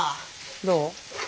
どう？